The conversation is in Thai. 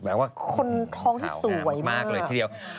ว่าคนท้องที่สวยมากเลยทีเดียว